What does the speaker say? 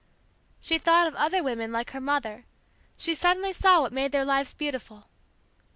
She thought of other women like her mother; she suddenly saw what made their lives beautiful.